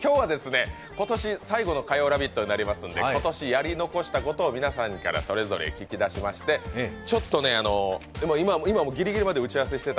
今年最後の火曜ラヴィットになりますので今年やり残したことを皆さんからそれぞれ聞き出しまして、今もギリギリまで打ち合わせしていた